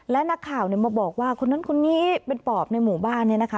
และนักข่าวมาบอกว่าคนนั้นคนนี้เป็นปอบในหมู่บ้านเนี่ยนะคะ